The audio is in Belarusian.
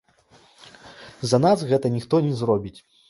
За нас гэта ніхто не зробіць.